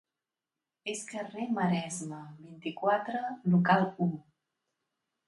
És carrer Maresme, vint-i-quatre, local u.